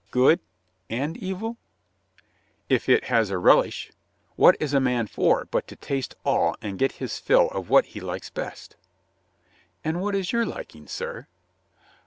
"Good— and evil?" "If it has a relish. What is a man for but to taste all and get his fill of what he likes best?" "And what is your liking, sir?"